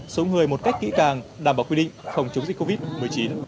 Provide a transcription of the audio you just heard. số người một cách kỹ càng đảm bảo quy định phòng chống dịch covid một mươi chín